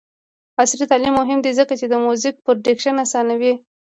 عصري تعلیم مهم دی ځکه چې د میوزیک پروډکشن اسانوي.